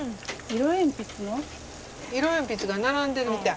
色鉛筆が並んでるみたい。